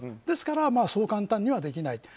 ですからそう簡単にはできない。